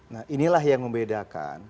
nah inilah yang membedakan